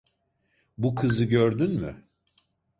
Bu kızı gördün mü?